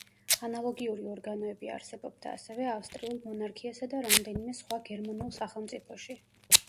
ანალოგიური ორგანოები არსებობდა ასევე ავსტრიულ მონარქიასა და რამდენიმე სხვა გერმანულ სახელმწიფოში.